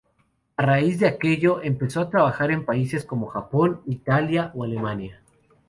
A raíz de aquello, empezó a trabajar en países como Japón, Italia o Alemania.